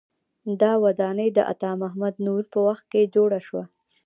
دا ودانۍ د عطا محمد نور په وخت کې جوړه شوه.